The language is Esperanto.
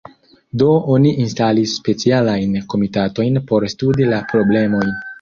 Do oni instalis specialajn komitatojn por studi la problemojn.